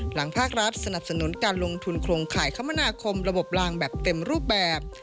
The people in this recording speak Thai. ภาครัฐสนับสนุนการลงทุนโครงข่ายคมนาคมระบบลางแบบเต็มรูปแบบ